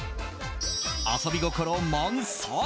遊び心満載。